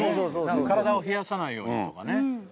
体を冷やさないようにとかね。